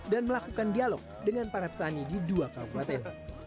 dan melakukan dialog dengan para petani di dua kabupaten